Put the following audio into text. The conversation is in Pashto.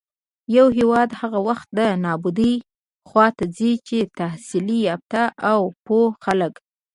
يـو هېـواد هـغه وخـت د نـابـودۍ خـواتـه ځـي چـې تحـصيل يافتـه او پـوه خلـک